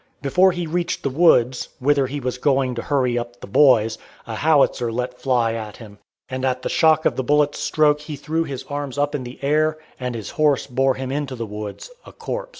Before he reached the woods, whither he was going to hurry up the "boys," a Howitzer let fly at him, and at the shock of the bullet's stroke he threw his arms up in the air, and his horse bore him into the woods a corpse.